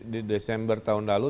di desember tahun lalu